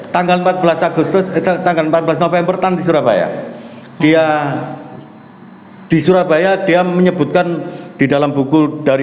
tanggal empat belas agustus tanggal empat belas november tan di surabaya dia di surabaya dia menyebutkan di dalam buku dari